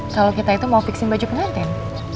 kalau kita itu mau bikin baju pengantin